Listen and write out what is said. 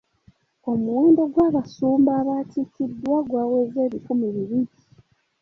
Omuwendo gw'abasumba abaatikiddwa gwaweze ebikumi bibiri.